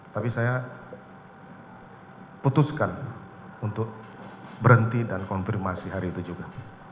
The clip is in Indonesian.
tapi saya putuskan untuk berhenti dan konfirmasi hari itu juga